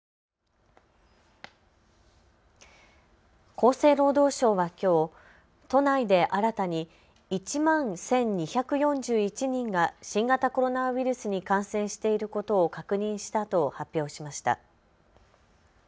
厚生労働省はきょう都内で新たに１万１２４１人が新型コロナウイルスに感染していることを確認したと発表しました。